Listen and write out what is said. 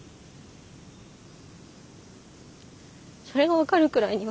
それが分かるくらいにはさ